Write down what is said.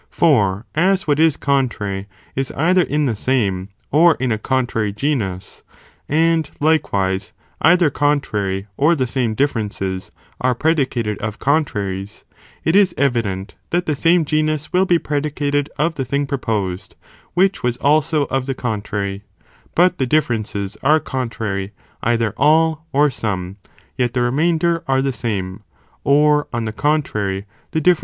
For as what is contrary, is either in the same, or in a contrary genus, and likewise either contrary or the same differences, are predicated of contraries, it is evi dent, that the same genus will be predicated of the thing pro posed, which was also of the contrary; but the differences are contrary, either all or some, yet the remainder are the same,' or on the contrary, the differences are the same, but 1 From the connexions of contraries, (vide b.